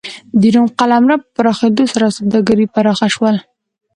د روم قلمرو په پراخېدو سره سوداګري پراخ شول.